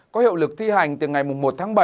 có hiệu lực thi hành từ ngày một tháng bảy